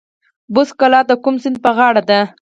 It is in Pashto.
بست کلا د کوم سیند په غاړه ده؟